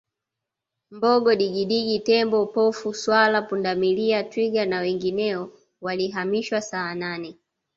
mbogo digidigi tembo pofu swala pundamilia twiga na wengineo walihamishiwa saanane